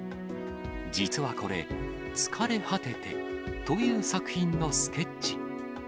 実はこれ、疲れ果ててという作品のスケッチ。